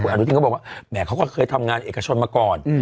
อนุทินก็บอกว่าแหมเขาก็เคยทำงานเอกชนมาก่อน